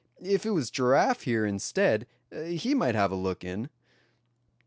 If it was Giraffee here, instead, he might have a look in."